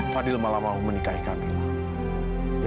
fadil malah mau menikahi kami